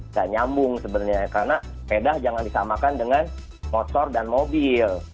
nggak nyambung sebenarnya karena sepeda jangan disamakan dengan motor dan mobil